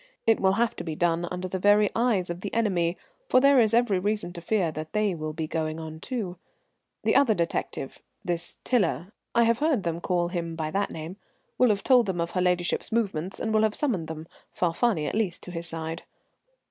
It will have to be done under the very eyes of the enemy, for there is every reason to fear they will be going on, too. The other detective, this Tiler I have heard them call him by that name will have told them of her ladyship's movements, and will have summoned them, Falfani at least, to his side."